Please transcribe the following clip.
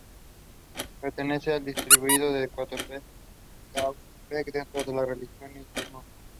Pertenece al distrito de Tehuantepec, dentro de la región istmo.